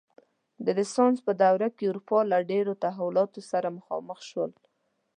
د رنسانس په دوره کې اروپا له ډېرو تحولاتو سره مخامخ شول.